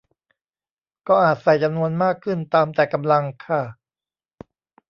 ก็อาจใส่จำนวนมากขึ้นตามแต่กำลังค่ะ